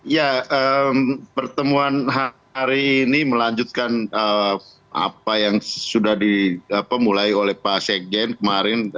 ya pertemuan hari ini melanjutkan apa yang sudah dimulai oleh pak sekjen kemarin